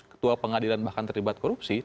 ketua pengadilan bahkan terlibat korupsi